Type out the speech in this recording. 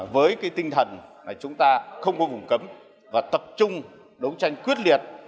với cái tinh thần chúng ta không có vùng cấm và tập trung đấu tranh quyết liệt